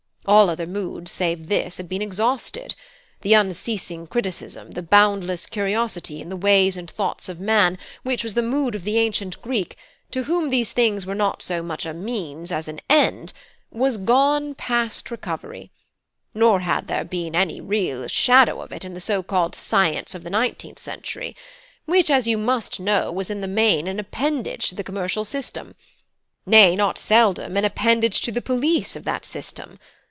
All other moods save this had been exhausted: the unceasing criticism, the boundless curiosity in the ways and thoughts of man, which was the mood of the ancient Greek, to whom these things were not so much a means, as an end, was gone past recovery; nor had there been really any shadow of it in the so called science of the nineteenth century, which, as you must know, was in the main an appendage to the commercial system; nay, not seldom an appendage to the police of that system.